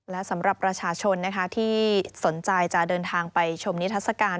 และสำหรับประชาชนที่สนใจจะเดินทางไปชมนิทัศกาล